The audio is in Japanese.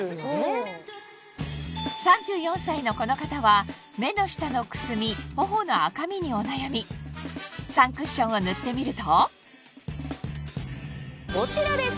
３４歳のこの方は目の下のくすみ頬の赤みにお悩みサンクッションを塗ってみるとこちらです。